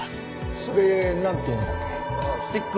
それなんていうんだっけ？